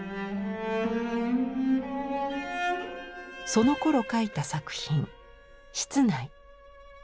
そのころ描いた作品「室内」。